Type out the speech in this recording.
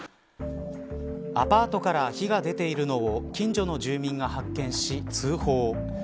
アパートから火が出ているのを近所の住民が発見し、通報。